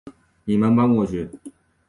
你们搬过去